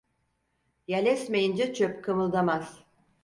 Yel esmeyince çöp kımıldamaz!